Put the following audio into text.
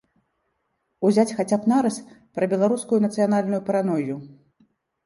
Узяць хаця б нарыс пра беларускую нацыянальную паранойю.